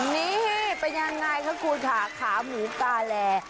นี่เป็นยังไงคะคุณค่ะขาหมูกาแล